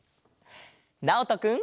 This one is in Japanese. なおとくん。